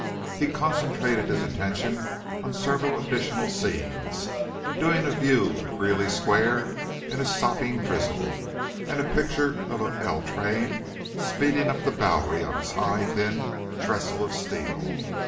He concentrated his attention on several additional scenes, doing a view of Greeley Square in a sopping drizzle, and a picture of an L train speeding up the Bowery on its high, thin trestle of steel.